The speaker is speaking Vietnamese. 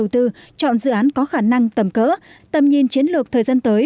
tư chọn dự án có khả năng tầm cỡ tầm nhìn chiến lược thời gian tới